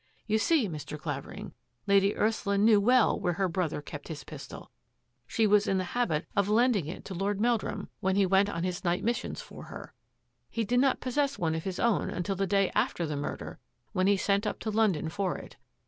You see, Mr. Clavering, Lady Ursula knew well where her brother kept his pistol ; she was in the habit of lending it to Lord Meldrum when he OFF FOR THE CONTINENT 261 went on his night missions for her. He did not pos sess one of his own until the day after the murder, when he sent up to London for it.